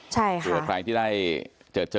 เผื่อใครที่ได้เจอ